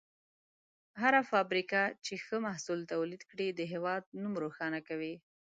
هره فابریکه چې ښه محصول تولید کړي، د هېواد نوم روښانه کوي.